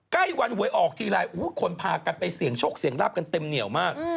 ใกล้วันหวยออกทีไรคนพากันไปเสี่ยงโชคเสี่ยงลาบกันเต็มเหนียวมาก